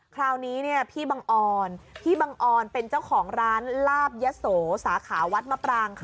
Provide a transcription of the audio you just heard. คราวนี้พี่บังออนพี่บังออนเป็นเจ้าของร้านลาบยะโสสาขาวัดมะปราง